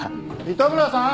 糸村さん！